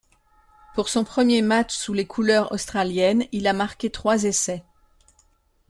Pour son premier match sous les couleurs australiennes il a marqué trois essais.